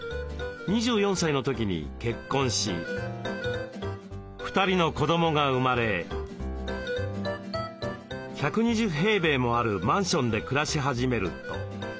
２４歳の時に結婚し２人の子どもが生まれ１２０平米もあるマンションで暮らし始めると。